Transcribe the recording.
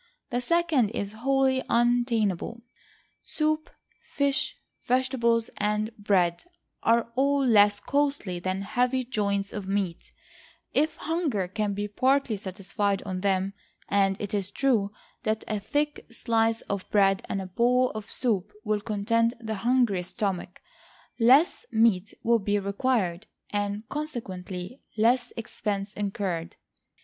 The second is wholly untenable; soup, fish, vegetables, and bread, are all less costly than heavy joints of meat; if hunger can be partly satisfied on them, and it is true that a thick slice of bread and a bowl of soup will content the hungriest stomach, less meat will be required, and consequently less expense incurred.